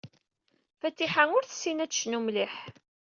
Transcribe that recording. Fatiḥa ur tessin ad tecnu mliḥ.